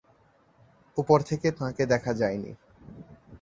ওপর থেকে তাঁকে দেখা যায় নি।